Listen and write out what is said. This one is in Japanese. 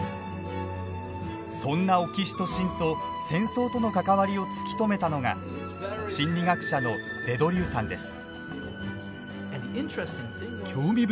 そんなオキシトシンと戦争との関わりを突き止めたのが心理学者のデ・ドリューさんです。